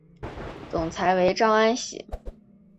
总裁为张安喜。